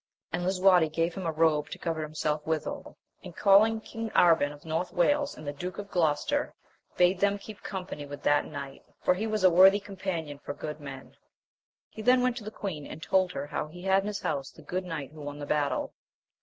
And Lisuarte gave him a robe to cover himself withal, and calling King Arban of North Wales, and the Duke of Gloucester, bade them keep company with that knigb.t, ioi'Vi^ ^^^^^ t^ 96 AMADIS OF GAUL companion for good men. He then went to the queen, and told her how he had in his house the good knight who won the battle.